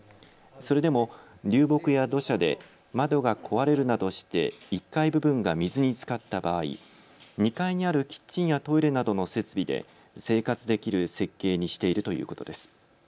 それでも流木や土砂で窓が壊れるなどして１階部分が水につかった場合、２階にあるキッチンやトイレなどの設備で生活できる設計にしているということです。